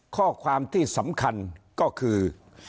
ข้อความที่สำคัญก็คือ